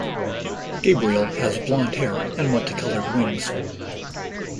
Gabriel has blond hair and multicoloured wings.